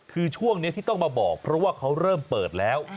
คือช่วงนี้ที่ต้องมาบอกเพราะว่าเขาเริ่มเปิดแล้ว